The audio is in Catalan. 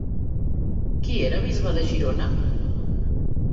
Qui era bisbe de Girona?